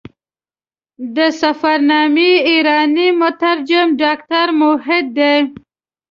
د سفرنامې ایرانی مترجم ډاکټر موحد دی.